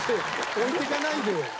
置いていかないでよ。